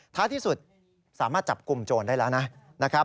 ถ้าที่สุดสามารถจับกลุ่มโจรได้แล้วนะ